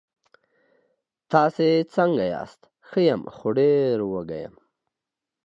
تاسې څنګه یاست؟ ښه یم، خو ډېر وږی یم.